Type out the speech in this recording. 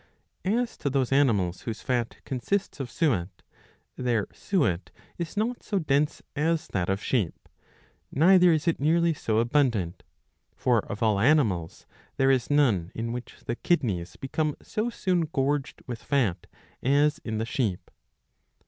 As to those animals whose fat consists of suet, their suet is not so dense as that of sheep, neither is it nearly so abundant ; for of all animals there is none in which the kidneys become so soon gorged with fat as in the sheep.